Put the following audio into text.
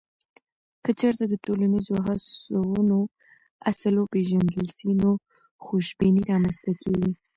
که چیرته د ټولنیزو هڅونو اصل وپېژندل سي، نو خوشبیني رامنځته کیږي.